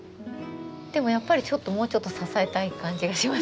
でもやっぱりもうちょっと支えたい感じがします。